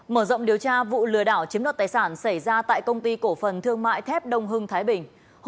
mở rộng điều tra vụ lừa đảo chiếm đoạt tài sản xảy ra tại công ty cổ phần thương mại thép đông hưng thái bình